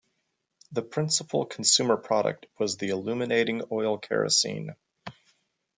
The principal consumer product was the illuminating oil kerosene.